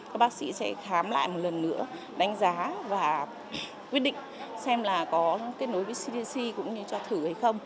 các bác sĩ sẽ khám lại một lần nữa đánh giá và quyết định xem là có kết nối với cdc cũng như cho thử hay không